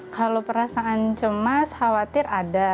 kalau perasaan cemas khawatir ada